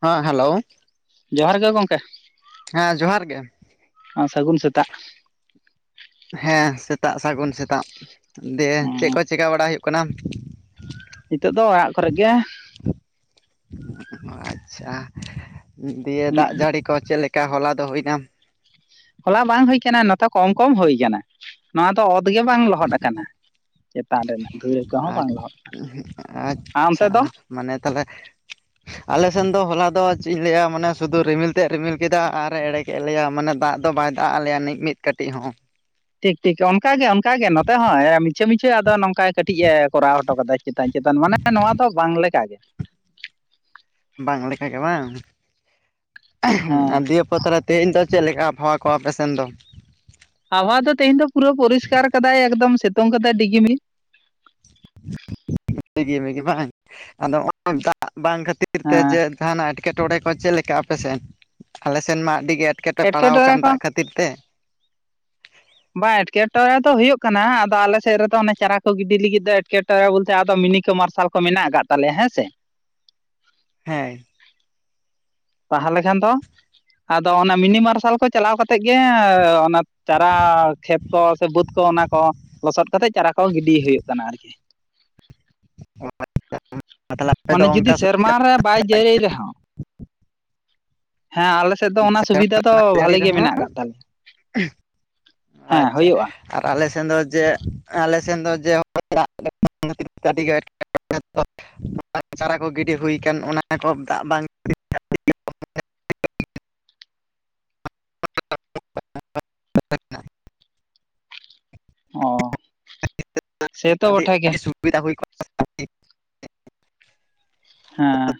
ᱦᱟᱸ ᱦᱮᱞᱳ, ᱡᱚᱦᱟᱨ ᱜᱮ ᱜᱚᱝᱠᱮ᱾ ᱦᱮᱸ ᱡᱚᱦᱟᱨ ᱜᱮ᱾ ᱚᱸᱥᱟᱹᱜᱩᱱ ᱥᱛᱟᱟᱜ᱾ ᱦᱮᱸ ᱥᱮᱛᱟᱜ ᱥᱟᱹᱜᱩᱱ ᱥᱮᱛᱟᱜ, ᱫᱮ ᱪᱮᱜ ᱠᱚ ᱪᱤᱠᱟ ᱵᱟᱲᱟ ᱦᱩᱭᱩᱜ ᱠᱟᱱᱟ᱾ ᱱᱤᱛᱚᱜ ᱫᱚ ᱚᱲᱟᱜ ᱠᱚᱨᱮᱜ ᱜᱮ᱾ ᱚᱸ ᱟᱪᱪᱷᱟ, ᱫᱤᱭᱮ ᱢᱮᱱᱟᱜ ᱫᱟᱜ ᱞᱤᱧᱟ᱾ ᱡᱟᱹᱲᱤ ᱠᱚ ᱪᱮᱫᱞᱮᱠ ᱪᱮᱠᱟ ᱦᱚᱞᱟ ᱫᱚ ᱦᱩᱭᱱᱟᱢ, ᱦᱚᱞᱟ ᱵᱟᱝ ᱦᱩᱭ ᱠᱟᱱᱟ ᱱᱚᱛᱮ ᱠᱚᱢ ᱠᱚᱢ ᱦᱩᱭ ᱠᱟᱱᱟ᱾ ᱱᱚᱣᱟ ᱫᱚ ᱚᱛ ᱜᱮ ᱵᱟᱝ ᱞᱚᱦᱚᱫ ᱠᱟᱱᱟ ᱪᱮᱛᱟᱱ ᱨᱮᱱᱟᱜ ᱫᱷᱩᱣᱟᱹ ᱠᱚᱦᱚᱸ ᱵᱟᱝ ᱞᱚᱦᱚᱫ ᱠᱟᱱᱟ᱾ ᱩᱦᱩᱸᱜ ᱟᱪᱪᱷᱟ᱾ ᱢᱟᱱᱮ ᱛᱟᱦᱚᱞᱮ ᱟᱞᱮ ᱥᱮᱱ ᱫᱚ ᱦᱚᱞᱟ ᱫᱚ ᱪᱮᱫ ᱤᱧ ᱞᱟᱹᱭᱟ ᱢᱟᱱᱮ ᱥᱩᱫᱷᱩ ᱨᱤᱢᱤᱞ, ᱛᱮᱫ ᱨᱤᱢᱤᱞ ᱠᱮᱫᱟ ᱟᱨᱮ ᱮᱲᱮ ᱠᱮᱫ ᱞᱮᱭᱟ, ᱢᱟᱱᱮ ᱫᱟᱜ ᱫᱚ ᱵᱟᱭ ᱫᱟᱜ ᱟᱞᱮᱭᱟᱱᱤᱡ ᱢᱤᱫ ᱠᱟᱹᱴᱤᱡ ᱦᱚᱸ᱾ ᱴᱷᱤᱠ ᱴᱷᱤᱠ, ᱚᱱᱠᱟ ᱜᱮ ᱚᱱᱠᱟ ᱜᱮ ᱱᱚᱛᱮ ᱦᱚᱸ ᱢᱤᱪᱷᱟᱹ ᱢᱤᱪᱷᱟᱹ ᱟᱫᱚ ᱱᱚᱝᱠᱟ ᱠᱟᱹᱴᱤᱡ ᱮ ᱠᱚᱨᱟᱣ ᱦᱚᱴᱚ ᱠᱟᱫᱟᱭ᱾ ᱪᱮᱛᱟᱱ ᱪᱮᱛᱟᱱ, ᱢᱟᱱᱮ ᱱᱚᱣᱟ ᱫᱚ ᱵᱟᱝ ᱞᱮᱠᱟᱜᱮ᱾ ᱵᱟᱝ ᱞᱮᱠᱟ ᱜᱮ ᱵᱟᱝ ᱦᱮᱸ ᱟᱨ ᱫᱤᱭᱮ, ᱛᱚ ᱛᱟᱞᱮ ᱛᱮᱦᱮᱧ ᱫᱚ ᱪᱮᱫ ᱞᱮᱠᱟ ᱟᱵᱚᱦᱟᱣᱟ ᱠᱚ ᱟᱯᱮᱥᱮᱱ ᱫᱚ? ᱟᱵᱟᱣᱟ ᱫᱚ ᱛᱮᱦᱮᱧ ᱫᱚ ᱯᱩᱨᱟᱹ ᱯᱚᱨᱤᱥᱠᱟᱨ ᱠᱟᱫᱟᱭ ᱮᱠᱫᱚᱢ ᱥᱤᱛᱩᱝ ᱠᱟᱫᱟᱭ ᱰᱤᱜᱤ ᱢᱤ, ᱰᱤᱜᱤ ᱢᱤᱜᱤ ᱵᱟᱝ, ᱟᱫᱚ ᱦᱚᱸᱜᱼᱚᱭ ᱫᱟᱜ ᱵᱟᱝ ᱠᱷᱟᱹᱛᱤᱨ ᱠᱷᱟᱹᱛᱤᱨ ᱛᱮ ᱦᱮᱸ ᱡᱮ ᱡᱟᱦᱟᱱᱟᱜ ᱮᱴᱠᱮᱴᱚᱬᱮ ᱠᱚ ᱪᱮᱫ ᱞᱮᱠᱟ ᱟᱯᱮᱥᱮᱫ, ᱟᱞᱮ ᱥᱮᱱ ᱢᱟ ᱟᱹᱰᱤ ᱜᱮ, ᱮᱴᱠᱮᱴᱮ ᱯᱟᱲᱟᱣ ᱮᱴᱠᱮᱴᱚᱬᱮ ᱟᱠᱟᱱ ᱠᱚ ᱫᱟᱜ ᱠᱷᱟᱹᱛᱤᱨ ᱛᱮ᱾ ᱵᱟᱝ ᱮᱴᱠᱮᱴᱚᱬᱮ ᱫᱚ ᱦᱩᱭᱩᱜ ᱠᱟᱱᱟ, ᱟᱫᱚ ᱟᱞᱮᱥᱮᱫ ᱨᱮᱫᱚ ᱚᱱᱮ ᱪᱟᱨᱟ ᱠᱚ ᱜᱤᱰᱤ ᱞᱟᱹᱜᱤᱫ ᱫᱚ ᱮᱴᱠᱮᱴ ᱴᱚᱬᱮ ᱵᱚᱞᱛᱮ ᱟᱫᱚ ᱢᱤᱱᱤ ᱠᱚ ᱢᱟᱨᱥᱟᱞ ᱠᱚ ᱢᱮᱱᱟᱜ ᱟᱠᱟᱫ ᱛᱟᱞᱮᱭᱟ ᱦᱮᱸ ᱥᱮ᱾ ᱦᱮᱸ, ᱛᱟᱦᱚᱞᱮ ᱠᱷᱟᱱ ᱫᱚ ᱟᱫᱚ ᱚᱱᱟ ᱢᱤᱱᱤ ᱢᱟᱨᱥᱟᱞ ᱠᱚ ᱪᱟᱞᱟᱣ ᱠᱟᱛᱮᱫ ᱜᱮ ᱚᱱᱟ, ᱪᱟᱨᱟ ᱠᱷᱮᱛ ᱠᱚ, ᱥᱮ ᱵᱟᱹᱫᱽ ᱠᱚ ᱚᱱᱟ ᱠᱚ ᱞᱚᱥᱚᱫ ᱠᱟᱛᱮᱜ ᱪᱟᱨᱟ ᱠᱚ ᱜᱤᱰᱤ ᱦᱩᱭᱩᱜ ᱠᱟᱱᱟ ᱟᱨᱠᱤ᱾ ᱟᱯᱮ ᱫᱚ ᱢᱟᱱᱮ ᱡᱩᱫᱤ ᱚᱱᱠᱟ ᱥᱮᱨᱢᱟ ᱨᱮ ᱵᱟᱭ ᱡᱟᱹᱲᱤ ᱨᱮᱦᱚᱸ, ᱦᱮᱸ ᱟᱞᱮ ᱥᱮᱫ ᱫᱚ ᱥᱮᱨᱢᱟ ᱚᱱᱟ ᱥᱩᱵᱤᱫᱷᱟ ᱫᱚ ᱡᱟᱹᱲᱤ ᱵᱷᱟᱞᱤ ᱜᱮ ᱨᱮᱦᱚᱸ ᱢᱮᱱᱟᱜ ᱠᱟᱫ ᱛᱟᱞᱮᱭᱟ, ᱦᱮᱸ ᱟᱪᱪᱷᱟ ᱦᱩᱭᱩᱜᱼᱟ᱾ ᱟᱨ ᱟᱞᱮ ᱥᱮᱱ ᱫᱚ ᱡᱮ, ᱟᱞᱮ ᱥᱮᱱ ᱫᱚ ᱡᱮ, ᱮᱴᱠᱮ, [unintelligible] ᱪᱟᱨᱟ ᱠᱚ ᱜᱤᱰᱤ ᱦᱩᱭ ᱠᱟᱱ ᱚᱱᱟ ᱠᱚ ᱫᱟᱜ ᱵᱟᱝ [unintelligible] ᱚ, ᱥᱮᱛᱚ ᱵᱚᱴᱷᱮ ᱜᱮ ᱟᱹᱰᱤ ᱥᱩᱵᱤᱫᱷᱟ ᱦᱩᱭ ᱠᱚᱜ, [unintelligible] ᱦᱮᱸ,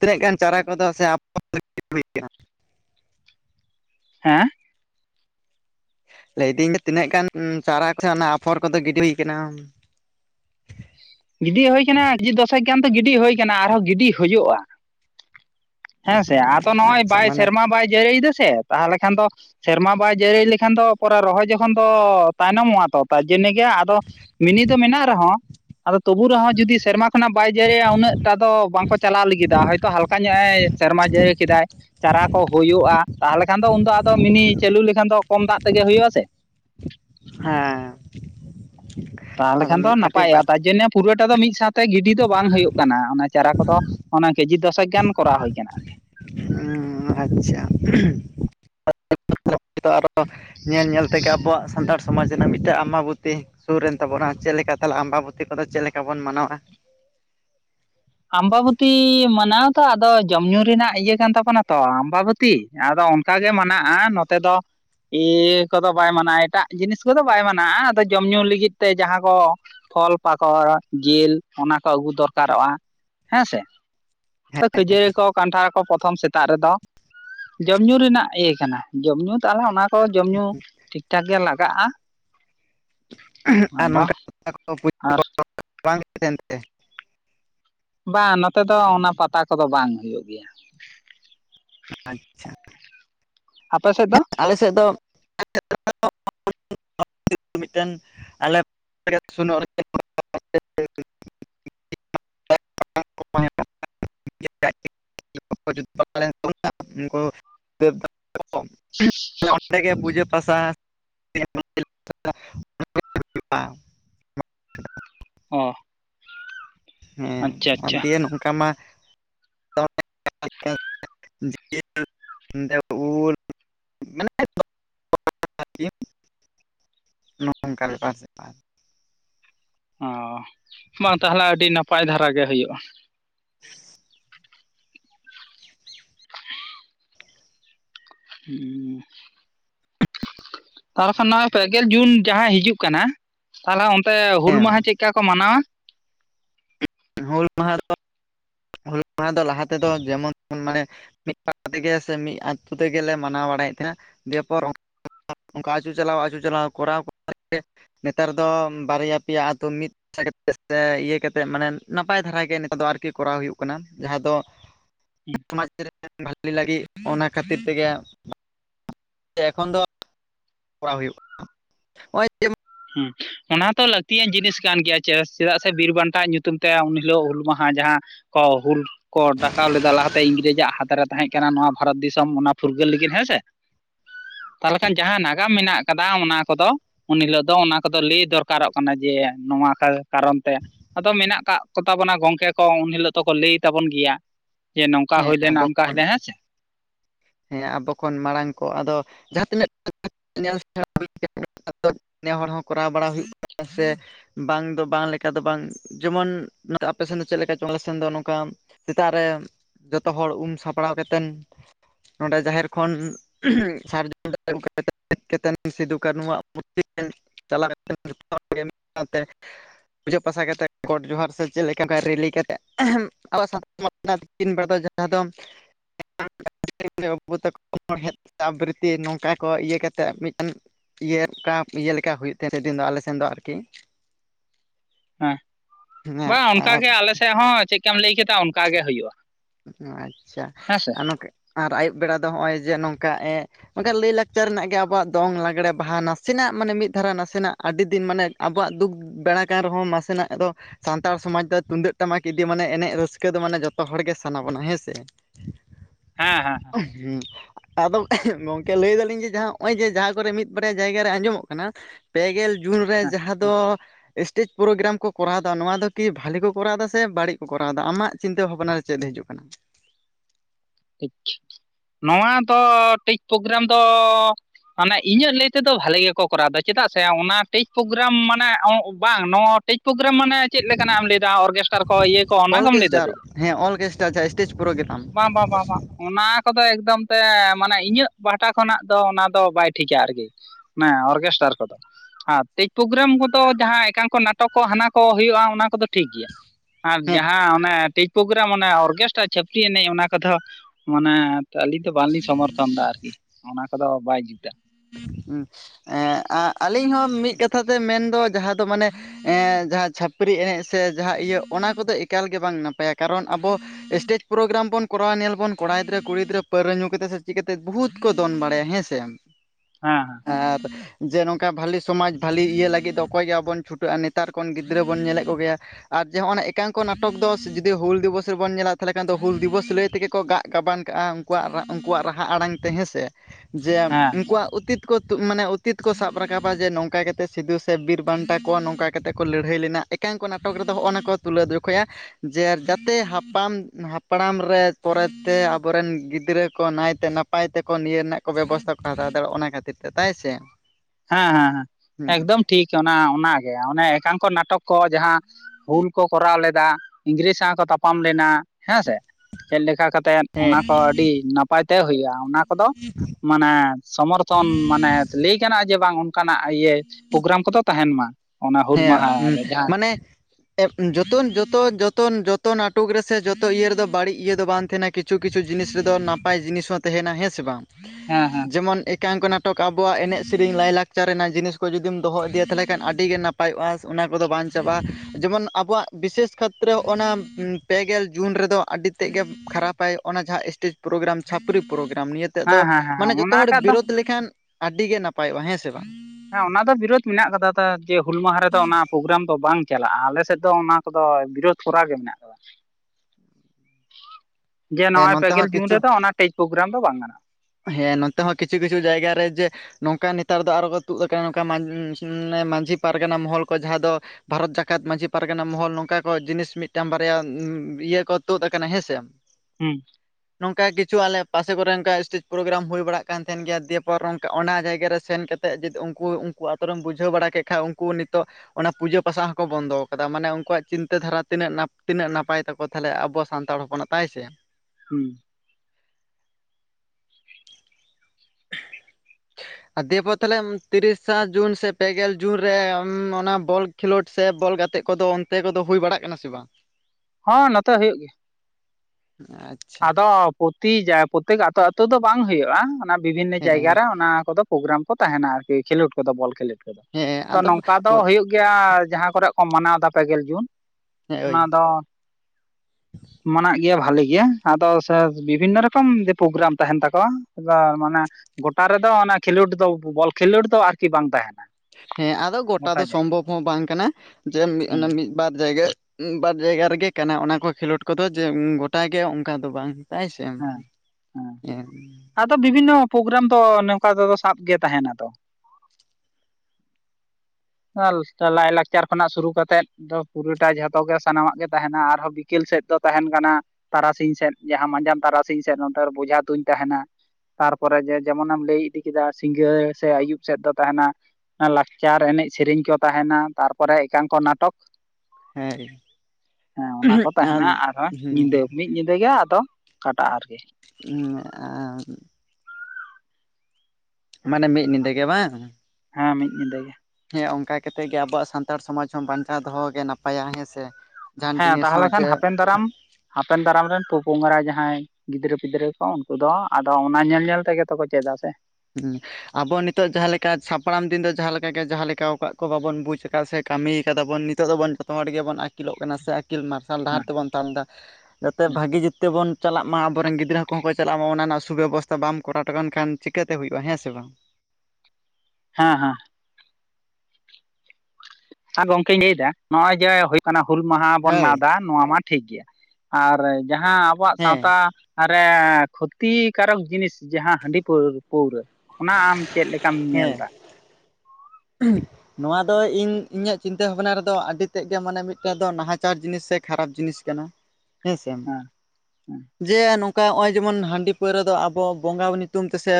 ᱛᱤᱱᱟᱹᱜ ᱜᱟᱱ ᱪᱟᱨᱟ ᱠᱚᱫᱚ ᱥᱮ ᱟᱯᱨ, [unintelligible] ᱦᱩᱭ ᱠᱟᱱᱟ, [unintelligible] ᱦᱮᱸ, ᱞᱟᱹᱭᱫᱟᱹᱧ ᱛᱤᱱᱟᱹᱜ ᱜᱟᱱ ᱪᱟᱨᱟ ᱠᱚ ᱚᱱᱟ ᱟᱯᱷᱚᱨ ᱠᱚᱫᱚ ᱜᱤᱰᱤ ᱦᱩᱭ ᱠᱟᱱᱟ᱾ ᱜᱤᱰᱤ ᱦᱩᱭ ᱠᱟᱱᱟ ᱠᱤᱡᱤ ᱫᱚᱥᱮᱠ ᱜᱟᱱ ᱫᱚ ᱜᱤᱰᱤ ᱦᱚᱭ ᱠᱟᱱᱟ ᱟᱨᱦᱚᱸ ᱜᱤᱰᱤ ᱦᱩᱭᱩᱜᱼᱟ᱾ ᱦᱮᱸ ᱥᱮ ᱚ ᱟᱫᱚ ᱱᱚᱜᱼᱚᱭ ᱟᱪᱪᱷᱟ ᱵᱟᱭ ᱢᱟᱱᱮ ᱥᱮᱨᱢᱟ ᱵᱟᱭ ᱡᱟᱹᱨᱤᱭ ᱫᱟ ᱥᱮ᱾ ᱛᱟᱦᱚᱞᱮ ᱠᱷᱟᱱ ᱫᱚ, ᱥᱮᱨᱢᱟ ᱵᱟᱭ ᱡᱟᱹᱨᱤ ᱞᱮᱠᱷᱟᱱ ᱫᱚ, ᱯᱚᱨᱮ ᱨᱚᱦᱚᱭ ᱡᱚᱠᱷᱚᱱ ᱫᱚ, ᱛᱟᱭᱱᱚᱢᱚᱜᱼᱟ ᱛᱚ᱾ ᱛᱟᱨ ᱡᱚᱱᱱᱮ ᱜᱮ, ᱟᱫᱚ ᱢᱤᱱᱤ ᱫᱚ ᱢᱮᱱᱟᱜ ᱨᱮᱦᱚᱸ, ᱟᱫᱚ ᱛᱚᱵᱩ ᱨᱮᱦᱚᱸ ᱡᱩᱫᱤ ᱥᱮᱨᱢᱟ ᱠᱷᱚᱱᱟᱜ ᱵᱟᱭ ᱡᱟᱹᱲᱤᱭᱟ ᱩᱱᱟᱹᱜ ᱴᱟ ᱫᱚ ᱵᱟᱝᱠᱚ ᱪᱟᱞᱟᱣ ᱞᱟᱹᱜᱤᱫᱟ ᱦᱚᱭᱛᱳ ᱦᱟᱞᱠᱟ ᱧᱚᱜ ᱮ, ᱥᱮᱨᱢᱟ ᱡᱟᱹᱭ ᱠᱮᱫᱟᱭ᱾ ᱪᱟᱨᱟ ᱠᱳ ᱦᱚᱭᱚᱜᱼᱟ, ᱛᱟᱦᱚᱞᱮ ᱠᱷᱟᱱ ᱫᱚ ᱩᱱᱫᱚ ᱟᱫᱚ ᱢᱤᱱᱤ ᱪᱟᱹᱞᱩ ᱞᱮᱠᱷᱟᱱ ᱫᱚ ᱠᱚᱢ ᱫᱟᱜ ᱛᱮᱜᱮ ᱦᱚᱭᱚᱜᱼᱟ ᱥᱮ᱾ ᱦᱮᱸ ᱛᱟᱦᱚᱞᱮ ᱟᱫᱚ ᱠᱷᱟᱱ ᱫᱚ ᱢᱤᱫ ᱠᱟᱹᱴᱤᱡ ᱱᱟᱯᱟᱭᱚᱜᱼᱟ ᱛᱟᱭ ᱡᱟᱱᱮ ᱯᱩᱨᱟᱹ ᱴᱟᱜ ᱫᱚ ᱢᱤᱫ ᱥᱟᱶᱛᱮ ᱜᱤᱰᱤ ᱫᱚ ᱵᱟᱝ ᱦᱚᱭᱚᱜ ᱠᱟᱱᱟ ᱚᱱᱟ ᱪᱟᱨᱟ ᱠᱳ ᱫᱳ ᱚᱱᱟ ᱠᱮᱡᱤ ᱫᱚᱥ ᱮᱠ ᱜᱟᱱ ᱠᱳᱨᱟᱣ ᱦᱩᱭ ᱟᱠᱟᱱᱟ᱾ ᱦᱩᱸ ᱟᱪᱪᱷᱟ [unintelligible] [unintelligible] ᱧᱮᱞ ᱧᱮᱞ ᱛᱮᱜᱮ ᱟᱵᱚᱣᱟᱜ ᱥᱟᱱᱛᱟᱲ ᱥ ᱥᱚᱢᱟᱡᱽ ᱨᱮᱱᱟᱜ ᱢᱤᱫᱴᱮᱜ ᱟᱢᱵᱟᱵᱩᱛᱤ ᱥᱩᱨᱮ ᱮᱱ ᱛᱟᱵᱚᱱᱟ, ᱪᱮᱫ ᱞᱮᱠᱟ ᱛᱟᱦᱚᱞᱮ ᱟᱢᱵᱟᱵᱩᱛᱤ ᱠᱚᱫᱚ ᱪᱮᱫ ᱞᱮᱠᱟ ᱵᱚᱱ ᱢᱟᱱᱟᱣᱟ? ᱟᱢᱵᱟᱵᱚᱛᱤ ᱢᱟᱱᱟᱣ ᱛᱚ ᱟᱫᱚ ᱡᱚᱢ ᱧᱩ ᱨᱮᱱᱟᱜ ᱤᱭᱟᱹ ᱠᱟᱱ ᱛᱟᱵᱚᱱᱟ ᱛᱚ ᱟᱢᱵᱟᱵᱩᱛ ᱛᱤ ᱟᱫᱚ ᱚᱱᱠᱟ ᱜᱮ ᱢᱟᱱᱟᱜᱼᱟ ᱱᱚᱛᱮ ᱫᱚ ᱤᱭᱟᱹ ᱠᱚᱫᱚ ᱵᱟᱭ ᱢᱟᱱᱟ ᱮᱴᱟᱜ ᱡᱤᱱᱤᱥ ᱠᱚᱫᱚ ᱵᱟᱭ ᱢᱟᱱᱟᱜ-ᱟ ᱫᱚ ᱡᱚᱢ ᱧᱩ ᱞᱟᱹᱜᱤᱫ ᱛᱮ ᱡᱟᱦᱟᱸ ᱠᱚ ᱯᱷᱚᱞ ᱯᱟᱠᱚᱲ ᱡᱤᱞ ᱚᱱᱟ ᱠᱚ ᱟᱹᱜᱩ ᱫᱚᱨᱠᱟᱨᱚᱜᱼᱟ᱾ ᱦᱮᱸ ᱥᱮ ᱛᱚ ᱠᱷᱟᱹᱡᱟᱹᱲᱤ ᱠᱚ ᱠᱟᱱᱴᱷᱟᱲ ᱠᱚ ᱯᱨᱚᱛᱷᱚᱢ ᱥᱮᱛᱟᱜ ᱨᱮ ᱫᱚ ᱡᱚᱢ ᱧᱩ ᱨᱮᱱᱟᱜ ᱤᱭᱟᱹ ᱠᱟᱱᱟ ᱡᱚᱢ ᱧᱩ ᱛᱟᱦᱚᱞᱮ ᱚᱱᱟ ᱠᱚ ᱡᱚᱢ ᱧᱩ ᱴᱷᱤᱠ ᱴᱷᱟᱠ ᱜᱮ ᱞᱟᱜᱟᱜᱼᱟ ᱟᱨ ᱟᱫᱚ ᱱᱚᱝᱠᱟ ᱟᱨ [unintelligible] ᱵᱟᱝ ᱛᱟᱦᱮᱱ ᱛᱮ ᱵᱟᱝ ᱱᱚᱛᱮ ᱫᱚ ᱚᱱᱟ ᱯᱟᱛᱟ ᱠᱚ ᱫᱚ ᱵᱟᱝ ᱦᱩᱭᱩᱜ ᱜᱮᱭᱟ ᱾ ᱟᱪᱪᱷᱟ ᱟᱯᱮ ᱥᱮᱫ ᱫᱚ ᱟᱞᱮ ᱥᱮᱫ ᱫᱚ [unintelligible] [unintelligible] ᱢᱤᱫ ᱴᱮᱱ ᱟᱞᱮ [unintelligible] [unintelligible] ᱩᱱᱠᱩ [unintelligible] ᱚᱸᱰᱮᱜ ᱜᱮ ᱯᱩᱡᱟᱹ ᱯᱟᱥᱟ [unintelligible] ᱦᱩᱭᱩᱜ ᱚᱸ ᱦᱮᱸ ᱟᱨ ᱟᱪᱪᱷᱟ ᱫᱤᱭᱮ ᱱᱚᱝᱠᱟ ᱢᱟ [unintelligible] ᱡᱤᱞ ᱫᱮ ᱩᱞ [unintelligible] ᱢᱮ [unintelligible] ᱱᱚᱝᱠᱟ ᱞᱮᱠᱟ ᱥᱮᱫᱟᱭ ᱚ ᱵᱟᱝ ᱛᱟᱦᱚᱞᱮ ᱟᱹᱰᱤ ᱱᱟᱯᱟᱭ ᱫᱷᱟᱨᱟ ᱜᱮ ᱦᱚᱭᱚᱜᱼᱟ ᱾ [inaudible] ᱦᱩᱸ ᱛᱟᱨᱟᱥᱟ ᱱᱟᱜᱼᱚᱭ ᱯᱮᱜᱮᱞ ᱡᱩᱱ ᱡᱟᱦᱟᱸ ᱦᱤᱡᱩᱜ ᱠᱟᱱᱟ ᱛᱟᱦᱞᱮ ᱚᱱᱛᱮ ᱦᱩᱞ ᱦᱮᱸ ᱢᱟᱦᱟᱸ ᱪᱮᱫ ᱞᱮᱠᱟ ᱠᱚ ᱢᱟᱱᱟᱣᱟ ᱾ ᱦᱩᱞ ᱢᱟᱦᱟᱸ ᱫᱚ ᱦᱩᱞ ᱢᱟᱦᱟ ᱫᱚ ᱞᱟᱦᱟ ᱛᱮᱫᱚ ᱡᱮᱢᱚᱱ ᱢᱟᱱᱮ ᱢᱤᱫ ᱯᱟᱲᱟ ᱛᱮᱜᱮ ᱥᱮ ᱢᱤᱫ ᱟᱹᱛᱩ ᱛᱮᱜᱮ ᱞᱮ ᱢᱟᱱᱟᱣ ᱵᱟᱲᱟᱭᱮᱫ ᱛᱟᱦᱮᱱᱟ ᱫᱤᱭᱟᱹᱯᱚᱨ ᱚᱱᱠᱟ ᱟᱹᱪᱩ ᱪᱟᱞᱟᱣ ᱟᱹᱪᱩ ᱪᱟᱞᱟᱣ ᱠᱚᱨᱟᱣ ᱠᱚ [unintelligible] ᱱᱮᱛᱟᱨ ᱫᱚ ᱵᱟᱨᱭᱟ ᱯᱮᱭᱟ ᱟᱛᱩ ᱢᱤᱫ ᱯᱟᱥᱟᱛᱮᱫ ᱥᱮ ᱤᱭᱟᱹ ᱠᱟᱛᱮᱫ ᱢᱟᱱᱮ ᱱᱟᱯᱟᱭ ᱫᱷᱟᱨᱟ ᱜᱮ ᱱᱮᱛᱟᱨ ᱫᱚ ᱟᱨᱠᱤ ᱠᱚᱨᱟᱣ ᱦᱩᱭᱩᱜ ᱠᱟᱱᱟ ᱡᱟᱦᱟᱸ ᱫᱚ ᱥᱚᱢᱟᱡᱽ ᱨᱮ ᱵᱷᱟᱹᱞᱤ ᱞᱟᱹᱜᱤᱫ ᱚᱱᱟ ᱠᱷᱟᱹᱛᱤᱨ ᱛᱮᱜᱮ ᱮᱠᱷᱚᱱ ᱫᱚ ᱠᱚᱨᱟᱣ ᱦᱩᱭᱩᱜᱼᱟ ᱱᱚᱜᱼᱚᱭ ᱡᱮ ᱦᱩᱸ ᱚᱱᱟ ᱛᱚ ᱞᱟᱹᱠᱛᱤᱭᱟᱱ ᱡᱤᱱᱤᱥ ᱠᱟᱱ ᱜᱮᱭᱟ ᱪᱮᱫᱟᱜ ᱥᱮ ᱵᱤᱨ ᱵᱟᱱᱴᱟᱣᱟᱜ ᱧᱩᱛᱩᱢ ᱛᱮ ᱩᱱ ᱦᱤᱞᱚᱜ ᱦᱩᱞ ᱢᱟᱦᱟᱸ ᱡᱟᱦᱟᱸ ᱠᱳ ᱦᱩᱞ ᱠᱳ ᱰᱟᱠᱟᱣ ᱞᱮᱫᱟ ᱞᱟᱦᱟᱛᱮ ᱤᱝᱨᱮᱡᱟᱜ ᱦᱟᱛ ᱨᱮ ᱛᱟᱦᱮᱸ ᱠᱟᱱᱟ ᱱᱚᱶᱟ ᱵᱷᱟᱨᱚᱛ ᱫᱤᱥᱚᱢ ᱚᱱᱟ ᱯᱷᱩᱨᱜᱟᱹᱞ ᱞᱟᱹᱜᱤᱫ ᱦᱮᱸ ᱥᱮ ᱛᱟᱦᱞᱮ ᱠᱷᱟᱱ ᱡᱟᱦᱟᱸ ᱱᱟᱜᱟᱢ ᱢᱮᱱᱟᱜ ᱟᱠᱟᱫᱟ ᱚᱱᱟ ᱠᱚᱫᱚ ᱩᱱ ᱦᱤᱞᱚᱜ ᱫᱚ ᱫᱳ ᱚᱱᱟ ᱠᱳ ᱫᱳ ᱞᱟᱹᱭ ᱫᱳᱨᱠᱟᱨᱳᱜ ᱠᱟᱱᱟ ᱡᱮ ᱱᱚᱶᱟ ᱠᱟᱨᱚᱱ ᱛᱮ ᱟᱫᱚ ᱢᱮᱱᱟᱜ ᱟᱠᱟᱜ ᱠᱚ ᱛᱟᱵᱳᱱᱟ ᱜᱚᱝᱠᱮ ᱠᱳ ᱩᱱ ᱦᱤᱞᱚᱜ ᱫᱳ ᱠᱳ ᱞᱟᱹᱭ ᱛᱟᱵᱚᱱ ᱜᱮᱭᱟ ᱾ ᱡᱮ ᱱᱚᱝᱠᱟ ᱦᱩᱭ ᱞᱮᱱᱟ ᱟᱵᱚ ᱚᱱᱠᱟ ᱠᱷᱚᱱ ᱦᱤᱞᱮ ᱦᱮᱸᱥᱮ ᱦᱮᱸ ᱟᱵᱚ ᱠᱷᱚᱱ ᱢᱟᱲᱟᱝ ᱠᱚ ᱟᱫᱚ ᱡᱟᱦᱟᱸ ᱛᱤᱱᱟᱹᱜ [unintelligible] ᱧᱮᱞ ᱥᱮ [unintelligible] ᱱᱮ ᱦᱚᱲ ᱦᱚᱸ ᱠᱚᱨᱟᱣ ᱵᱟᱲᱟ ᱦᱩᱭᱩᱜ ᱠᱟᱱᱟ ᱥᱮ ᱵᱟᱝ ᱫᱚ ᱵᱟᱝ ᱞᱮᱠᱟ ᱫᱚ ᱵᱟᱝ ᱡᱮᱢᱚᱱ ᱱᱚᱛᱮ ᱟᱯᱮ ᱥᱮᱱ ᱫᱚ ᱪᱮᱫ ᱞᱮᱠᱟ ᱪᱚᱝ, ᱟᱞᱮ ᱥᱮᱱ ᱫᱚ ᱱᱚᱝᱠᱟ ᱥᱮᱛᱟᱜ ᱨᱮ ᱡᱚᱛᱚ ᱦᱚᱲ ᱩᱢ ᱥᱟᱯᱲᱟᱣ ᱠᱟᱛᱮᱱ ᱱᱚᱸᱰᱮ ᱡᱟᱦᱮᱨ ᱠᱷᱚᱱ [unintelligible] ᱥᱟᱨᱡᱚᱢ ᱫᱟᱨᱮ ᱟ. ᱜᱩ ᱠᱟᱛᱮ ᱦ ᱠᱟᱛᱮ ᱥᱤᱫᱩ ᱠᱟᱱᱦᱩ ᱣᱟᱜ ᱯᱩᱨᱛᱤᱢᱟ ᱨᱮ ᱪᱟᱞᱟᱣ ᱠᱟᱛᱮᱜ [unintelligible] ᱯᱩᱡᱟᱹ ᱯᱟᱥᱟ ᱠᱟ ᱠᱟᱛᱮᱫ ᱜᱚᱴ ᱡᱚᱦᱟᱨ ᱥᱮ ᱪᱮᱫ ᱞᱮᱠᱟ ᱨᱤᱞᱤ ᱠᱟ ᱠᱟᱛᱮ ᱟᱵᱚᱣᱟ ᱜᱟᱲ ᱛᱤᱠᱤᱱ ᱵᱮᱲᱟ ᱫᱚ ᱡᱟᱦᱟᱸ ᱫᱚ ᱵ [unintelligible] ᱛᱟᱠᱚᱦᱵᱨᱤᱛᱤ ᱱᱚᱝᱠᱟ ᱠᱚ ᱤᱭᱟᱹ ᱠᱟ ᱠᱟᱛᱮᱮᱫ ᱢᱤᱫᱴᱮᱱ ᱤᱭᱟᱹᱠᱟ ᱤᱭᱟᱹ ᱞᱮᱠᱟ ᱦᱩᱭᱩᱜ ᱛᱮ ᱥᱮᱫᱤᱱ ᱫᱚ ᱟᱞᱮ ᱥᱮᱱ ᱫᱚ ᱟᱨᱠᱤ ᱦᱮᱸ ᱦᱮᱸ ᱵᱟᱝ ᱚᱱᱠᱟᱜ ᱜᱮ ᱟᱞᱮ ᱥᱮᱫ ᱦᱚᱸ ᱪᱮᱫᱠᱟᱢ ᱞᱟᱹᱭ ᱠᱮᱫᱟ ᱚᱱᱠᱟ ᱜᱮ ᱦᱩᱭᱩᱜ-ᱟ᱾ ᱟᱪᱪᱷᱟ ᱟᱨ ᱱᱚᱝᱠᱟ ᱟᱨ ᱟᱹᱭᱩᱵ ᱵᱮᱲᱟ ᱫᱚ ᱱᱚᱜ-ᱚᱭ ᱡᱮ ᱱᱚᱝᱠᱟ ᱵᱟᱠᱟᱱᱡ ᱞᱟᱹᱭ ᱞᱟᱠᱪᱟᱨ ᱨᱮᱱᱟᱜ ᱜᱮ ᱟᱵᱚᱣᱟᱜ ᱫᱚᱝ ᱞᱟᱜᱽᱲᱮ ᱵᱟᱦᱟ ᱱᱟᱥᱮᱱᱟᱜ ᱢᱟᱱᱮ ᱢᱤᱫ ᱫᱷᱟᱨᱟ ᱱᱟᱥᱮᱱᱟᱜ ᱟᱹᱰᱤ ᱫᱤᱱ ᱢᱟᱱᱮ ᱟᱵᱚᱣᱟᱜ ᱫᱩᱠ ᱵᱮᱲᱟ ᱠᱟᱱ ᱨᱮᱦᱚᱸ ᱱᱟᱥᱮᱱᱟᱜ ᱫᱚ ᱥᱟᱱᱛᱟᱲ ᱥᱚᱢᱟᱡᱽ ᱫᱚ ᱛᱩᱢᱫᱟᱹᱜ ᱴᱟᱢᱟᱠ ᱤᱫᱤ ᱢᱟᱱᱮ ᱮᱱᱮᱡ ᱨᱟᱹᱥᱠᱟᱹ ᱫᱚ ᱢᱟᱱᱮ ᱡᱚᱛᱚ ᱦᱚᱲ ᱜᱮ ᱥᱟᱱᱟ ᱵᱚᱱᱟ ᱦᱮᱸ ᱥᱮ ᱦᱮᱸ ᱦᱮᱸ ᱦᱩᱸ ᱟᱫᱚ ᱜᱚᱝᱠᱮ ᱞᱟᱹᱭ ᱫᱟᱞᱤᱧ ᱡᱮ ᱡᱟᱦᱟᱸ ᱱᱚᱜ-ᱚᱭ ᱡᱮ ᱡᱟᱦᱟᱸ ᱠᱚ ᱨᱮ ᱢᱤᱫ ᱵᱟᱨᱭᱟ ᱡᱟᱭᱜᱟ ᱨᱮ ᱟᱸᱡᱚᱢᱚᱜ ᱠᱟᱱᱟ ᱯᱮᱜᱮᱞ ᱡᱩᱱ ᱨᱮ ᱦᱮᱸ ᱡᱟᱦᱟᱸ ᱫᱚ ᱤᱥᱴᱮᱡᱽ ᱯᱨᱳᱜᱨᱟᱢ ᱠᱚ ᱠᱚᱨᱟᱣ ᱫᱟ ᱱᱚᱣᱟ ᱫᱚ ᱠᱤ ᱵᱷᱟᱹᱞᱤ ᱠᱚ ᱠᱚᱨᱟᱣ ᱫᱟ ᱥᱮ ᱵᱟᱹᱲᱤᱡ ᱠᱚ ᱠᱚᱨᱟᱣ ᱫᱟ ᱟᱢᱟᱜ ᱪᱤᱱᱛᱟᱹ ᱵᱷᱟᱵᱽᱱᱟ ᱪᱮᱫ ᱦᱤᱡᱩᱜ ᱠᱟᱱᱟ ᱱᱚᱣᱟ ᱫᱚ ᱴᱷᱤᱠ ᱯᱨᱳᱜᱨᱟᱢ ᱫᱚ ᱢᱟᱱᱮ ᱤᱧᱟᱹᱜ ᱞᱟᱹᱭ ᱛᱮᱫᱚ ᱵᱷᱟᱞᱮ ᱜᱮᱠᱚ ᱠᱚᱨᱟᱣ ᱮᱫᱟ ᱪᱮᱫᱟᱜ ᱥᱮ ᱚᱱᱟ ᱴᱮᱡᱽ ᱯᱨᱳᱜᱨᱟᱢ ᱢᱟᱱᱮ ᱵᱟᱝ ᱱᱚᱣᱟ ᱴᱮᱡᱽ ᱯᱨᱳᱜᱨᱟᱢ ᱢᱟᱱᱮ ᱪᱮᱫ ᱞᱮᱠᱟᱱᱟᱜ ᱮᱢ ᱞᱟᱹᱭ ᱫᱟ ᱚᱨᱠᱮᱥᱴᱟᱨ ᱠᱚ ᱤᱭᱟᱹ ᱠᱚ ᱚᱱᱟ ᱠᱚᱢ ᱞᱟᱹᱭ ᱫᱟ ᱚᱞᱠᱮᱥᱴᱟᱨ ᱥᱮ ᱦᱮᱸ ᱚᱞᱠᱮᱥᱴᱟᱨ ᱡᱟᱦᱟᱸ ᱥᱴᱮᱡᱽ ᱯᱨᱳᱜᱨᱟᱢ ᱵᱟᱝ ᱵᱟᱝ ᱵᱟᱝ ᱚᱱᱟ ᱠᱚᱫᱚ ᱮᱠᱫᱚᱢ ᱛᱮ ᱢᱟᱱᱮ ᱤᱧᱟᱹᱜ ᱯᱟᱦᱴᱟ ᱠᱷᱚᱱᱟᱜ ᱫᱚ ᱚᱱᱟ ᱫᱚ ᱵᱟᱭ ᱴᱷᱤᱠᱟ ᱟᱨᱠᱤ ᱢᱟᱱᱮ ᱚᱨᱠᱮᱥᱴᱟᱨ ᱠᱚᱫᱚ ᱟᱨ ᱛᱮᱡᱽ ᱯᱨᱳᱜᱨᱟᱢ ᱠᱚᱫᱚ ᱡᱟᱦᱟᱸ ᱮᱠᱟᱱ ᱠᱚ ᱱᱟᱴᱚᱠ ᱠᱚ ᱦᱟᱱᱟ ᱠᱚ ᱦᱩᱭᱩᱜ-ᱟ ᱚᱱᱟ ᱠᱚᱫᱚ ᱴᱷᱤᱠ ᱜᱮᱭᱟ ᱟᱨ ᱡᱟᱦᱟᱸ ᱚᱱᱟ ᱛᱮᱡᱽ ᱯᱨᱳᱜᱨᱟᱢ ᱚᱱᱟ ᱚᱨᱠᱮᱥᱴᱟᱨ ᱪᱷᱟᱹᱯᱲᱤ ᱮᱱᱮᱡ ᱚᱱᱟ ᱠᱚᱫᱚ ᱢᱟᱱᱮ ᱛᱚ ᱟᱹᱞᱤᱧ ᱫᱚ ᱵᱟᱝ ᱞᱤᱧ ᱥᱚᱢᱚᱨᱛᱷᱚᱱ ᱫᱟ ᱟᱨᱠᱤ ᱚᱱᱟ ᱠᱚᱫᱚ ᱵᱟᱭ ᱡᱩᱛᱟ ᱟᱹᱞᱤᱧ ᱦᱚᱸ ᱢᱤᱫ ᱠᱟᱛᱷᱟ ᱛᱮ ᱢᱮᱱ ᱫᱚ ᱡᱟᱦᱟᱸ ᱫᱚ ᱢᱟᱱᱮ ᱡᱟᱦᱟᱸ ᱪᱷᱟᱹᱯᱨᱤ ᱮᱱᱮᱡ ᱥᱮ ᱡᱟᱦᱟᱸ ᱤᱭᱟᱹ ᱚᱱᱟ ᱠᱚ ᱫᱚ ᱮᱠᱟᱞ ᱜᱮ ᱵᱟᱝ ᱱᱟᱯᱟᱭ ᱟ ᱠᱟᱨᱚᱱ ᱟᱵᱚ ᱥᱴᱮᱡᱽ ᱯᱨᱳᱜᱨᱟᱢ ᱵᱚᱱ ᱠᱚᱨᱟᱣᱟ ᱧᱮᱞ ᱵᱚᱱ ᱠᱚᱲᱟ ᱜᱤᱫᱽᱨᱟᱹ ᱠᱩᱲᱤ ᱜᱤᱫᱽᱨᱟᱹ ᱯᱟᱹᱣᱟᱹ ᱧᱩ ᱠᱟᱛᱮᱫ ᱥᱮ ᱪᱮᱫ ᱠᱟᱛᱮ ᱵᱚᱦᱩᱛ ᱠᱚ ᱫᱚᱱ ᱵᱟᱲᱟᱭᱟ ᱦᱮᱸ ᱥᱮ ᱦᱮᱸ ᱦᱮᱸ ᱟᱨ ᱡᱮ ᱱᱚᱝᱠᱟ ᱵᱷᱟᱹᱞᱤ ᱥᱚᱢᱟᱡᱽ ᱵᱷᱟᱹᱞᱤ ᱤᱭᱟᱹ ᱞᱟᱹᱜᱤᱫ ᱫᱚ ᱚᱠᱚᱭ ᱜᱮ ᱟᱵᱚᱱ ᱪᱷᱩᱴᱟᱹᱜ-ᱟ ᱱᱮᱛᱟᱨ ᱠᱷᱚᱱ ᱜᱤᱫᱽᱨᱟᱹ ᱵᱚᱱ ᱧᱮᱞ ᱮᱫ ᱠᱚ ᱜᱮᱭᱟ ᱟᱨ ᱡᱮ ᱱᱚᱜ-ᱚᱱᱟ ᱮᱠᱟᱝᱠᱚ ᱱᱟᱴᱚᱠ ᱫᱚ ᱡᱩᱫᱤ ᱦᱩᱞ ᱫᱤᱵᱚᱥ ᱨᱮᱵᱚᱱ ᱧᱮᱞᱟ ᱛᱟᱦᱚᱞᱮ ᱠᱷᱟᱱ ᱫᱚ ᱦᱩᱞ ᱫᱤᱵᱚᱥ ᱞᱟᱹᱭ ᱛᱮᱜᱮ ᱠᱚ ᱜᱟᱜ ᱜᱟᱵᱟᱱ ᱠᱟᱜ-ᱟ ᱩᱱᱠᱩᱣᱟᱜ ᱩᱱᱠᱩᱣᱟᱜ ᱨᱟᱦᱟ ᱟᱲᱟᱝ ᱛᱮ ᱦᱮᱸ ᱥᱮ ᱡᱮ ᱦᱮᱸ ᱩᱱᱠᱩᱣᱟᱜ ᱚᱛᱤᱛ ᱠᱚ ᱢᱟᱱᱮ ᱚᱛᱤᱛ ᱠᱚ ᱥᱟᱵ ᱨᱟᱠᱟᱵᱟ ᱡᱮ ᱱᱚᱝᱠᱟ ᱠᱟᱛᱮᱫ ᱥᱤᱫᱩ ᱥᱮ ᱵᱤᱨ ᱵᱟᱱᱴᱟ ᱠᱚᱣᱟ ᱱᱚᱝᱠᱟ ᱠᱟᱛᱮ ᱠᱚ ᱞᱟᱹᱲᱦᱟᱹᱭ ᱞᱮᱱᱟ ᱮᱠᱟᱝᱠᱚ ᱱᱟᱴᱚᱠ ᱨᱮᱫᱚ ᱦᱚᱜᱚ ᱱᱟ ᱠᱚ ᱛᱩᱞᱟᱹᱣ ᱡᱚᱠᱷᱟᱭᱟ ᱡᱮ ᱡᱟᱛᱮ ᱦᱟᱯᱟᱢ ᱦᱟᱯᱲᱟᱢ ᱨᱮ ᱯᱚᱨᱮ ᱛᱮ ᱟᱵᱚᱨᱮᱱ ᱜᱤᱫᱽᱨᱟᱹ ᱠᱚ ᱱᱟᱭᱛᱮ ᱱᱟ ᱱᱟᱯᱟᱭ ᱛᱮᱠᱚ ᱱᱤᱭᱟᱹ ᱨᱮᱱᱟᱜ ᱠᱚ ᱵᱮᱵᱚᱥᱛᱷᱟ ᱠᱚ ᱦᱟᱛᱟᱣ ᱫᱟᱲᱮᱭᱟᱜ-ᱟ ᱚᱱᱟ ᱠᱷᱟᱹᱛᱤᱨ ᱛᱮ ᱛᱟᱭ ᱥᱮ ᱦᱮᱸ ᱦᱮᱸ ᱦᱮᱸ ᱦᱩᱸ ᱮᱠᱫᱚᱢ ᱴᱷᱤᱠ ᱚᱱᱟ ᱚᱱᱟ ᱜᱮ ᱚᱱᱮ ᱮᱠᱟᱝᱠᱚ ᱱᱟᱴᱚᱠ ᱠᱚ ᱡᱟᱦᱟᱸ ᱦᱩᱞ ᱠᱚ ᱠᱚᱨᱟᱣ ᱞᱮᱫᱟ ᱤᱝᱨᱮᱡᱽ ᱥᱟᱶ ᱠᱚ ᱛᱟᱯᱟᱢ ᱞᱮᱱᱟ ᱦᱮᱸ ᱥᱮ ᱪᱮᱫ ᱞᱮᱠᱟ ᱠᱟᱛᱮᱫ ᱦᱮᱸ ᱚᱱᱟ ᱠᱚ ᱟᱹᱰᱤ ᱱᱟᱯᱟᱭ ᱛᱮ ᱦᱳᱭᱳᱜ-ᱟ ᱚᱱᱟ ᱠᱚ ᱫᱚ ᱢᱟᱱᱮ ᱥᱚᱢᱚᱨᱛᱷᱚᱱ ᱢᱟᱱᱮ ᱞᱟᱹᱭ ᱠᱟᱱᱟ ᱡᱮ ᱵᱟᱝ ᱚᱱᱠᱟᱱᱟᱜ ᱤᱭᱟᱹ ᱯᱨᱳᱜᱨᱟᱢ ᱠᱚᱫᱚ ᱛᱟᱦᱮᱱ ᱢᱟ ᱚᱱᱟ ᱦᱩᱞ ᱦᱮᱸ ᱢᱟᱦᱟ ᱨᱮ ᱡᱟᱦᱟᱸ ᱢᱟᱱᱮ ᱡᱚᱛᱚᱱ ᱡᱚᱛᱚ ᱡᱚᱛᱚᱱ ᱡᱚᱛᱚ ᱱᱟᱴᱚᱠ ᱨᱮ ᱥᱮ ᱡᱚᱛᱚ ᱤᱭᱟᱹ ᱨᱮᱫᱚ ᱵᱟᱹᱲᱤᱡ ᱤᱭᱟᱹ ᱫᱚ ᱵᱟᱝ ᱛᱟᱦᱮᱱᱟ ᱠᱤᱪᱷᱩ ᱠᱤᱪᱷᱩ ᱡᱤᱱᱤᱥ ᱨᱮᱫᱚ ᱱᱟᱯᱟᱭ ᱡᱤᱱᱤᱥ ᱦᱚᱸ ᱛᱟᱦᱮᱱᱟ ᱦᱮᱸ ᱥᱮ ᱵᱟᱝ ᱦᱮᱸ ᱦᱮᱸ ᱡᱮᱢᱚᱱ ᱮᱠᱟᱝᱠᱚ ᱱᱟᱴᱚᱠ ᱟᱵᱚᱣᱟᱜ ᱮᱱᱮᱡ ᱥᱮᱨᱮᱧ ᱞᱟᱭᱞᱟᱠᱪᱟᱨ ᱨᱮᱱᱟᱜ ᱡᱤᱱᱤᱥ ᱠᱚ ᱡᱩᱫᱤᱢ ᱫᱚᱦᱚ ᱤᱫᱤᱭᱟ ᱛᱟᱦᱚᱞᱮ ᱠᱷᱟᱱ ᱟᱹᱰᱤ ᱜᱮ ᱱᱟᱯᱟᱭ ᱱᱟᱯᱟᱭᱚᱜ-ᱟ ᱚᱱᱟ ᱠᱚᱫᱚ ᱵᱟᱝ ᱪᱟᱵᱟᱜ-ᱟ ᱡᱮᱢᱚᱱ ᱟᱵᱚᱣᱟᱜ ᱵᱤᱥᱮᱥ ᱠᱷᱮᱛᱨᱮ ᱦᱚᱸᱜ-ᱱᱟ ᱯᱮᱜᱮᱞ ᱡᱩᱱ ᱨᱮᱫᱚ ᱟᱹᱰᱤ ᱛᱮᱫ ᱜᱮ ᱠᱷᱟᱨᱟᱯᱟᱭ ᱚᱱᱟ ᱡᱟᱦᱟᱸ ᱮᱥᱴᱮᱡᱽ ᱯᱨᱳᱜᱨᱟᱢ ᱪᱷᱟᱹᱯᱨᱤ ᱯᱨᱳᱜᱨᱟᱢ ᱱᱤᱭᱟᱹ ᱛᱮᱜ ᱫᱚ ᱦᱮᱸ ᱦᱮᱸ ᱦᱮᱸ ᱢᱟᱱᱮ ᱡᱚᱛᱚ ᱦᱚᱲ ᱚᱱᱟᱴᱟᱜ ᱫᱚ ᱵᱤᱨᱳᱫ ᱞᱮᱠᱷᱟᱱ ᱟᱹᱰᱤ ᱜᱮ ᱱᱟᱯᱟᱭᱚᱜᱼᱟ ᱦᱮᱸ ᱥᱮ ᱵᱟᱝ? ᱦᱮᱸ ᱚᱱᱟ ᱫᱚ ᱵᱤᱨᱳᱛ ᱢᱮᱱᱟᱜ ᱠᱟᱫᱟ ᱛᱟ ᱡᱮ ᱦᱩᱞ ᱢᱟᱦᱟ ᱨᱮᱫᱚ ᱚᱱᱟ ᱯᱨᱳᱜᱨᱟᱢ ᱫᱚ ᱵᱟᱝ ᱪᱟᱞᱟᱜᱼᱟ, ᱟᱞᱮ ᱥᱮᱫ ᱫᱚ ᱚᱱᱟ ᱠᱚᱫᱚ ᱵᱤᱨᱳᱛ ᱠᱚᱨᱟ ᱜᱮ ᱢᱮᱱᱟᱜ ᱟᱠᱟᱫᱟ᱾ ᱡᱮ ᱦᱮᱸ ᱱᱚᱜᱼᱚᱭ ᱱᱚᱛᱮ ᱯᱮᱜᱮᱞ ᱦᱚᱸ ᱡᱩᱱ ᱠᱤᱪᱷᱩ ᱨᱮᱫᱚ ᱚᱱᱟ ᱴᱮᱡᱽ ᱯᱨᱳᱜᱨᱟᱢ ᱫᱚ ᱵᱟᱝ ᱜᱟᱱᱚᱜᱼᱟ᱾ ᱦᱮᱸ ᱱᱚᱛᱮ ᱦᱚᱸ ᱠᱤᱪᱷᱩ ᱠᱤᱪᱷᱩ ᱡᱟᱭᱜᱟ ᱨᱮ ᱡᱮ ᱱᱚᱝᱠᱟ ᱱᱮᱛᱟᱨ ᱫᱚ ᱟᱨᱦᱚ ᱠᱚ ᱛᱩᱫ ᱟᱠᱟᱱᱟ ᱱᱚᱝᱠᱟ ᱢᱟᱱ-ᱤᱸ-ᱮ-ᱢᱟᱹᱡᱷᱤ ᱯᱟᱨᱜᱟᱱᱟ ᱢᱚᱦᱚᱞ ᱠᱚ ᱡᱟᱦᱟᱸ ᱫᱚ ᱵᱷᱟᱨᱚᱛ ᱡᱟᱠᱟᱛ ᱢᱟᱹᱡᱷᱤ ᱯᱟᱨᱜᱟᱱᱟ ᱢᱚᱦᱚᱞ ᱱᱚᱝᱠᱟ ᱠᱚ ᱡᱤᱱᱤᱥ ᱢᱤᱜᱴᱟᱱ ᱵᱟᱨᱭᱟ ᱩᱢ ᱤᱭᱟᱹ ᱠᱚ ᱛᱩᱫ ᱟᱠᱟᱱᱟ ᱦᱮᱸ ᱥᱮ᱾ [inaudible] ᱦᱩᱸ᱾ ᱱᱚᱝᱠᱟ ᱠᱤᱪᱷᱩ ᱟᱞᱮ ᱯᱟᱥᱮ ᱠᱚᱨᱮ ᱚᱝᱠᱟ ᱥᱴᱮᱡ ᱯᱨᱳᱜᱨᱟᱢ ᱦᱩᱭ ᱵᱟᱲᱟᱜ ᱠᱟᱱ ᱛᱟᱦᱮᱱ ᱜᱮᱭᱟ ᱫᱤᱭᱮᱯᱚᱨ ᱚᱝᱠᱟ ᱚᱱᱟ ᱡᱟᱭᱜᱟ ᱨᱮ ᱥᱮᱱ ᱠᱟᱛᱮᱜ ᱡᱤᱫ ᱩᱱᱠᱩ ᱩ ᱠᱩ ᱟᱛᱳᱨᱮᱢ ᱵᱩᱡᱷᱟᱹᱣ ᱵᱟᱲᱟ ᱠᱮᱜ ᱠᱷᱟᱡ ᱩᱝᱠᱩ ᱱᱤᱛᱚᱜ ᱚᱱᱟ ᱯᱩᱡᱟᱹ ᱯᱟᱥᱟ ᱦᱚᱸᱠᱚ ᱵᱚᱱᱫᱚ ᱠᱟᱫᱟ ᱢᱟᱱᱮ ᱩᱝᱠᱩᱣᱟᱜ ᱪᱤᱱᱛᱟᱹ ᱫᱷᱟᱨᱟ ᱛᱤᱱᱟᱹᱜ ᱱᱟᱯ ᱛᱤᱱᱟᱹᱜ ᱱᱟᱯᱟᱭ ᱛᱟᱠᱚ ᱛᱟᱦᱚᱞᱮ ᱟᱵᱚ ᱥᱟᱱᱛᱟᱲ ᱦᱚᱯᱚᱱᱟᱜ ᱯᱟᱭ ᱥᱮ᱾ ᱦᱩᱸ᱾ ᱟ ᱫᱤᱭᱮᱯᱚᱨ ᱛᱟᱦᱞᱮ ᱩᱢ ᱛᱤᱨᱤᱥᱟ ᱡᱩᱱ ᱥᱮ ᱯᱮᱜᱮᱞ ᱡᱩᱱ ᱨᱮ ᱩᱱ ᱚᱱᱟ ᱵᱚᱞ ᱠᱷᱮᱞᱳᱰ ᱥᱮ ᱵᱚᱞ ᱜᱟᱛᱮᱜ ᱠᱚᱫᱚ ᱚᱱᱛᱮ ᱠᱚᱫᱚ ᱦᱩᱭ ᱵᱟᱲᱟᱜ ᱠᱟᱱᱟ ᱥᱮ ᱵᱟᱝ? ᱦᱚᱸ, ᱱᱚᱛᱮ ᱦᱳᱭᱳᱜ ᱜᱮᱭᱟ᱾ [inaudible] ᱟᱫᱚ ᱯᱨᱚᱛᱤ ᱡᱟ ᱯᱨᱚᱛᱛᱮᱠ ᱟᱹᱛᱚ ᱟᱹᱛᱳ ᱫᱚ ᱵᱟᱝ ᱦᱳᱭᱳᱜᱼᱟ, ᱚᱱᱟ ᱵᱤᱵᱷᱤᱱᱱᱚ ᱡᱟᱭᱜᱟ ᱦᱮᱸ ᱨᱮ ᱚᱱᱟ ᱠᱚᱫᱚ ᱯᱳᱜᱨᱟᱢ ᱠᱚ ᱛᱟᱦᱮᱱᱟ ᱟᱨᱠᱤ ᱠᱷᱮᱞᱳᱰ ᱠᱚᱫᱚ ᱵᱚᱞ ᱠᱷᱮᱞᱳᱰ ᱠᱚᱫᱚ, ᱦᱮᱸ ᱛᱚ ᱟᱫᱚ ᱱᱚᱝᱠᱟ ᱫᱚ ᱦᱳᱭᱳᱜ ᱜᱮᱭᱟ ᱡᱟᱦᱟᱸ ᱠᱚᱨᱮᱜ ᱠᱚ ᱢᱟᱱᱟᱣᱫᱟ ᱯᱮᱜᱮᱞ ᱡᱩᱱ, ᱦᱮᱸ ᱳᱭ ᱚᱱᱟ ᱫᱚ ᱢᱟᱱᱟᱜ ᱜᱮᱭᱟ ᱵᱷᱟᱞᱮ ᱜᱮ᱾ ᱟᱫᱚ ᱥᱮᱥ ᱵᱤᱵᱷᱤᱱᱱᱚ ᱨᱚᱠᱚᱢ ᱫᱤᱭᱮ ᱯᱳᱜᱨᱟᱢ ᱛᱟᱦᱮᱱ ᱛᱟᱠᱚᱣᱟ, ᱡᱟ ᱢᱟᱱᱮ ᱜᱚᱴᱟ ᱨᱮᱫᱚ ᱚᱱᱟ ᱠᱷᱮᱞᱳᱰ ᱫᱚ ᱵᱚᱞ ᱠᱷᱮᱞᱳᱰ ᱫᱚ ᱟᱨᱠᱤ ᱵᱟᱝ ᱛᱟᱦᱮᱱᱟ᱾ ᱦᱮᱸ, ᱟᱫᱚ ᱜᱚᱴᱟ ᱫᱚ ᱥᱚᱢᱵᱷᱚᱵ ᱦᱚᱸ ᱵᱟᱝ ᱠᱟᱱᱟ ᱡᱮ ᱢᱤᱜ ᱚᱱᱟ ᱦᱮᱸ ᱢᱤᱜ ᱵᱟᱨ ᱡᱟᱭᱜᱟ ᱩᱸ ᱵᱟᱨ ᱡᱟᱭᱜᱟ ᱨᱮᱜᱮ ᱠᱟᱱᱟ ᱚᱱᱟ ᱠᱚ ᱠᱷᱮᱞᱳᱰ ᱠᱚᱫᱚ ᱡᱮ ᱩᱸ ᱜᱚᱴᱟᱜᱮ ᱚᱝᱠᱟ ᱫᱚ ᱵᱟᱝ᱾ ᱛᱟᱭᱥᱮᱢ ᱦᱮᱸ ᱦᱮᱸ ᱮᱢ᱾ ᱟᱫᱚ ᱵᱤᱵᱷᱤᱱᱱᱚ ᱯᱳᱜᱨᱟᱢ ᱛᱚ ᱱᱚᱝᱠᱟ ᱫᱚᱫᱚ ᱥᱟᱵ ᱜᱮ ᱛᱟᱦᱮᱱᱟ ᱛᱚ᱾ ᱧᱮᱞ ᱛᱚ ᱞᱟᱭᱼᱞᱟᱠᱪᱟᱨ ᱠᱷᱚᱱᱟᱜ ᱥᱩᱨᱩ ᱠᱟᱛᱮᱫ᱾ ᱫᱚ ᱯᱩᱨᱟᱹᱴᱟ ᱡᱷᱚᱛᱚ ᱜᱮ ᱥᱟᱱᱟᱢᱟᱜ ᱜᱮ ᱛᱟᱦᱮᱱᱟ ᱟᱨᱦᱚᱸ ᱵᱤᱠᱮᱞ ᱥᱮᱜ ᱫᱚ ᱛᱟᱦᱮᱱ ᱠᱟᱱᱟ᱾ ᱛᱟᱨᱟᱥᱤᱧ ᱥᱮᱱ ᱡᱟᱦᱟᱸ ᱢᱟᱸᱡᱟᱱ ᱛᱟᱨᱟᱥᱤᱧ ᱥᱮᱫ ᱱᱚᱛᱮ ᱨᱮ ᱵᱚᱡᱷᱟ ᱛᱩᱧ ᱛᱟᱦᱮᱸᱱᱟ᱾ ᱛᱟᱨᱯᱚᱨᱮ ᱡᱮ ᱡᱮᱢᱚᱱᱮᱢ ᱞᱟᱹᱭ ᱤᱫᱤ ᱠᱮᱫᱟ ᱥᱤᱸᱜᱟᱹ ᱥᱮ ᱟᱭᱩᱵ ᱥᱮᱫ ᱫᱚ ᱛᱟᱦᱮᱱᱟ ᱞᱟᱠᱪᱟᱨ ᱮᱱᱮᱡ ᱥᱮᱨᱮᱧ ᱠᱚ ᱛᱟᱦᱮᱱᱟ ᱛᱟᱨᱯᱚᱨᱮ ᱮᱠᱟᱝᱠᱚ ᱱᱟᱴᱚᱠ᱾ ᱦᱮᱸ ᱦᱮᱸ ᱚᱱᱟ ᱠᱚ ᱟᱨ ᱛᱟᱦᱮᱱᱟ ᱟᱨᱦᱚᱸ ᱦᱩᱸ ᱧᱤᱫᱟᱹ ᱢᱤᱜ ᱧᱤᱫᱟᱹ ᱜᱮ ᱟᱫᱚ ᱠᱟᱴᱟᱜᱼᱟ ᱟᱨᱠᱤ᱾ ᱩᱸᱢ ᱮᱸᱻ᱾ ᱢᱟᱱᱮ ᱢᱤᱜ ᱱᱤᱸᱫᱟᱹ ᱜᱮ ᱵᱟᱝ? ᱦᱮᱸ, ᱢᱤᱜ ᱧᱤᱫᱟᱹ ᱜᱮ᱾ ᱦᱮᱸ ᱚᱝᱠᱟ ᱠᱟᱛᱮᱜ ᱜᱮ ᱟᱵᱚᱣᱟᱜ ᱥᱟᱱᱛᱟᱲ ᱥᱚᱢᱟᱡᱽ ᱦᱚᱸ ᱵᱟᱧᱪᱟᱣ ᱫᱚᱦᱚ ᱜᱮ ᱱᱟᱯᱟᱭᱟ, ᱦᱮᱸ ᱥᱮ? ᱡᱟᱦᱟᱱ ᱦᱮᱸ ᱡᱤᱱᱤᱥ ᱛᱟᱦᱚᱞᱮ ᱦᱚᱸ ᱠᱷᱟᱱ ᱡᱮ ᱦᱟᱯᱮᱱ ᱫᱟᱨᱟᱢ ᱦᱟᱯᱮᱱ ᱫᱟᱨᱟᱢ ᱨᱮᱱ ᱯᱚᱯᱚᱝᱨᱟ ᱡᱟᱦᱟᱸᱭ ᱜᱤᱫᱽᱨᱟᱹ ᱯᱤᱫᱽᱨᱟᱹ ᱠᱚ ᱩᱱᱠᱩ ᱫᱚ ᱟᱫᱚ ᱚᱱᱟ ᱧᱮᱞ ᱧᱮᱞ ᱛᱮᱜᱮ ᱛᱚ ᱠᱚ ᱪᱮᱫᱟ ᱥᱮ᱾ ᱦᱩᱸ᱾ ᱟᱵᱚ ᱱᱤᱛᱚᱜ ᱡᱟᱦᱟᱸ ᱞᱮᱠᱟ ᱥᱟᱯᱲᱟᱢ ᱫᱤᱱ ᱫᱚ ᱡᱟᱦᱟᱸ ᱞᱮᱠᱟ ᱜᱮ ᱡᱟᱦᱟᱸ ᱞᱮᱠᱟᱣ ᱠᱟᱜ ᱠᱚ ᱵᱟᱵᱚᱱ ᱵᱩᱡ ᱟᱠᱟᱜ ᱥᱮ ᱠᱟᱹᱢᱤ ᱠᱟᱫᱟ ᱵᱚᱱ ᱱᱤ ᱛᱚᱜ ᱫᱚᱵᱚᱱ ᱡᱚᱛᱚ ᱦᱚᱲ ᱜᱮᱵᱚᱱ ᱟᱹᱠᱤᱞᱚᱜ ᱠᱟᱱᱟ ᱥᱮ ᱟ ᱠᱤᱞ ᱢᱟᱨᱥᱟᱞ ᱰᱟᱦᱟᱨ ᱦᱮᱸ ᱛᱮᱵᱚᱱ ᱛᱟᱢ ᱫᱟ, ᱡᱟᱛᱮ ᱵᱷᱟᱹᱜᱤ ᱡᱩᱛ ᱛᱮᱵᱚᱱ ᱪᱟᱞᱟᱜ ᱢᱟ ᱟᱵᱚᱨᱮᱝ ᱜᱤᱫᱽᱨᱟᱹ ᱠᱚᱦᱚᱸ ᱠᱚ ᱪᱟᱞᱟᱜ ᱢᱟ ᱚᱱᱟ ᱱᱟᱜ ᱥᱩᱵᱮᱵᱚᱥᱛᱷᱟ ᱵᱟᱢ ᱠᱚᱨᱟᱣ ᱴᱚᱠᱟᱱ ᱠᱷᱟᱱ ᱪᱤᱠᱟᱹᱛᱮ ᱦᱩᱭᱩᱜᱼᱟ ᱦᱮᱸ ᱥᱮ ᱵᱟᱝ᱾ ᱦᱮᱸ ᱦᱮᱸ᱾ ᱟᱨ ᱜᱚᱝᱠᱮᱧ ᱞᱮᱭᱫᱟ ᱱᱚᱜᱼᱚᱭ ᱡᱮ ᱦᱳᱭᱳᱜ ᱠᱟᱱᱟ ᱦᱩᱞ ᱢᱟᱦᱟ ᱵᱚᱱ ᱦᱳᱭ ᱢᱟᱫᱟ ᱱᱚᱣᱟ ᱢᱟ ᱴᱷᱤᱠ ᱜᱮᱭᱟ, ᱟᱨ ᱡᱟᱦᱟᱸ ᱟᱵᱚᱣᱟᱜ ᱦᱮᱸ ᱥᱟᱶᱛᱟ ᱟᱨᱮ ᱠᱷᱚᱛᱤ ᱠᱟᱨᱚᱠ ᱡᱤᱱᱤᱥ ᱡᱟᱦᱟᱸ ᱦᱟᱺᱰᱤ ᱯᱟᱹᱣᱨᱟᱹ ᱯᱟᱣᱨᱟᱹ ᱚᱱᱟ ᱟᱢ ᱪᱮᱫ ᱞᱮᱠᱟᱢ ᱧᱮᱞ ᱦᱮᱸ ᱫᱟ? [unintelligible] ᱱᱚᱣᱟ ᱫᱚ ᱤᱧ ᱤᱧᱟᱹᱜ ᱪᱤᱱᱛᱟ ᱵᱷᱟᱵᱱᱟ ᱨᱮᱫᱚ, ᱟᱹᱰᱤ ᱛᱮᱜ ᱜᱮ ᱢᱟᱱᱮ ᱢᱤᱫᱴᱮᱜ ᱫᱚ ᱱᱟᱦᱟᱪᱟᱨ ᱡᱤᱱᱤᱥ ᱥᱮ ᱠᱷᱟᱨᱟᱯ ᱡᱤᱱᱤᱥ ᱠᱟᱱᱟ᱾ [inaudible] ᱦᱮᱸ ᱥᱮ ᱦᱮᱸ ᱡᱮ ᱱᱚᱝᱠᱟ ᱚᱭ ᱡᱮᱢᱚᱱ ᱦᱟᱺᱰᱤ ᱯᱟᱹᱣᱨᱟᱹ ᱫᱚ ᱟᱵᱚ ᱵᱚᱸᱜᱟ ᱧᱩᱛᱩᱢ ᱛᱮᱥᱮ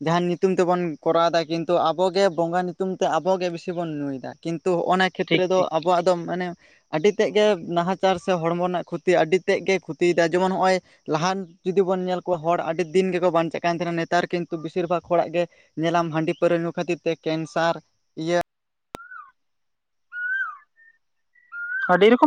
ᱡᱟᱦᱟᱱ ᱧᱤᱛᱩᱢ ᱛᱮᱵᱚᱱ ᱠᱚᱨᱟᱣ ᱫᱟ ᱠᱤᱱᱛᱩ ᱟᱵᱚ ᱜᱮ ᱵᱚᱸᱜᱟ ᱧᱤᱛᱩᱢ ᱛᱮ ᱟᱵᱚ ᱜᱮ ᱵᱤᱥᱤ ᱵᱚᱱ ᱱᱩᱭᱮᱫᱟ, ᱠᱤᱱᱛᱩ ᱦᱚᱜᱼᱱᱟ ᱴᱷᱤᱠ ᱠᱷᱮᱛᱨᱮ ᱫᱚ ᱴᱷᱤᱠ ᱟᱵᱚᱣᱟᱜ ᱫᱚ ᱢᱟᱱᱮ ᱟᱹᱰᱤ ᱛᱮᱫ ᱜᱮ ᱱᱟᱦᱟᱪᱟᱨ ᱥᱮ ᱦᱚᱲᱢᱚ ᱨᱮᱱᱟᱜ ᱠᱷᱚᱛᱤ ᱟᱹᱰᱤ ᱛᱮᱫ ᱜᱮ ᱠᱷᱚᱛᱤᱭᱮᱫᱟ ᱡᱮᱢᱚᱱ ᱱᱚᱜᱼᱚᱭ ᱞᱟᱦᱟᱱ ᱡᱩᱫᱤ ᱵᱚᱱ ᱧᱮᱞ ᱠᱚᱣᱟ ᱦᱚᱲ ᱟᱹᱰᱤ ᱫᱤᱱ ᱜᱮᱠᱚ ᱵᱟᱧᱪᱟᱜ ᱠᱟᱱ ᱛᱟᱦᱮᱱᱟ, ᱱᱮᱛᱟᱨ ᱠᱤᱱᱛᱩ ᱵᱮᱥᱤᱨ ᱵᱷᱟᱜᱽ ᱦᱚᱲᱟᱜ ᱜᱮ ᱧᱮᱞᱟᱢ ᱦᱟᱺᱰᱤ ᱯᱟᱹᱣᱨᱟᱹ ᱧᱩ ᱠᱷᱟᱹᱛᱤᱨ ᱛᱮ ᱠᱮᱱᱥᱟᱨ ᱤᱭᱟᱹ ᱟᱹᱰᱤ ᱨᱚᱠᱚᱢ